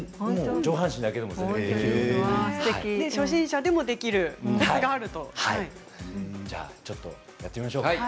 上半身だけでもいい初心者でもやってみましょうか。